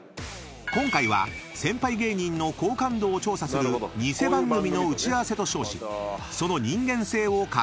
［今回は先輩芸人の好感度を調査する偽番組の打ち合わせと称しその人間性を隠し撮り］